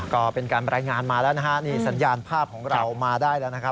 ก็เป็นการรายงานมาแล้วนะฮะนี่สัญญาณภาพของเรามาได้แล้วนะครับ